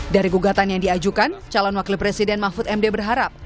dari gugatan yang diajukan calon wakil presiden mahfud md berharap